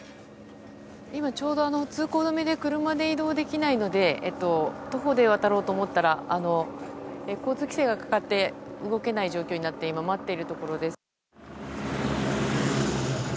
今ちょうど通行止めで車で移動できないので徒歩で渡ろうと思ったら交通規制がかかって動けない状況になって待っているところです。